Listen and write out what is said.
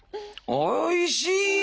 おいしい！